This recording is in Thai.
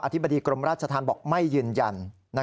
ธิบดีกรมราชธรรมบอกไม่ยืนยัน